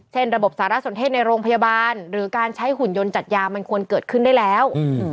ระบบสารสนเทศในโรงพยาบาลหรือการใช้หุ่นยนต์จัดยามันควรเกิดขึ้นได้แล้ว